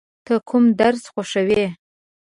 ته کوم درس خوښوې؟